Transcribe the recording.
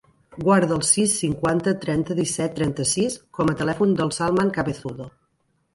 Guarda el sis, cinquanta, trenta, disset, trenta-sis com a telèfon del Salman Cabezudo.